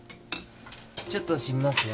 ちょっと染みますよ。